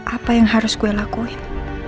apa yang harus gue lakuin